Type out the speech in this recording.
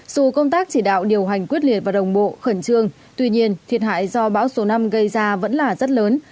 dù công tác chỉ đạo điều hành quyết liệt và đồng bộ khẩn trương tuy nhiên thiệt hại do bão số năm gây ra vẫn là rất lớn